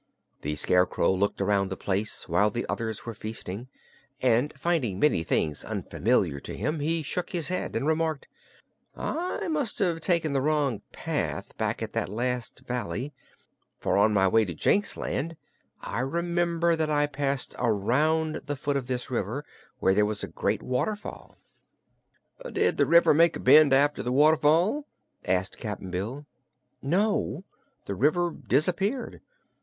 The Scarecrow looked around the place while the others were feasting, and finding many things unfamiliar to him he shook his head and remarked: "I must have taken the wrong path, back in that last valley, for on my way to Jinxland I remember that I passed around the foot of this river, where there was a great waterfall." "Did the river make a bend, after the waterfall?" asked Cap'n Bill. "No, the river disappeared.